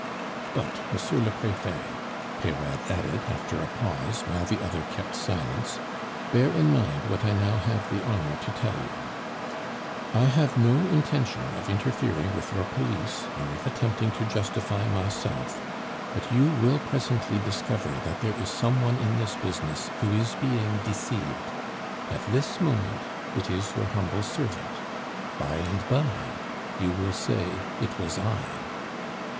But, Monsieur le Prefet," Peyrade added after a pause, while the other kept silence, "bear in mind what I now have the honor to telling you: I have no intention of interfering with your police nor of attempting to justify myself, but you will presently discover that there is some one in this business who is being deceived; at this moment it is your humble servant; by and by you will say, 'It was I.